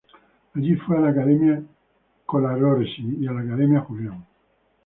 Allí fue a la Academia Colarossi y a la Academia Julian.